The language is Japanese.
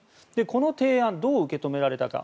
この提案はどう受け止められたか。